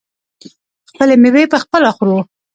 خپلې میوې پخپله خورو.